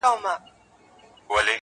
• زما پر ټوله وجود واک و اختیار ستا دی..